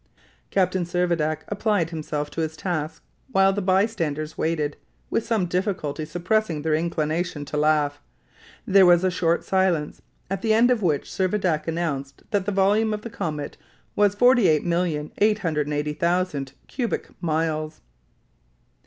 Captain Servadac applied himself to his task while the by standers waited, with some difficulty suppressing their inclination to laugh. There was a short silence, at the end of which Servadac announced that the volume of the comet was 47,880,000 cubic miles.